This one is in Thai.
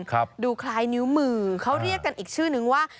ดูคล้ายนิ้วมือเขาเรียกกันอีกชื่อนึงว่า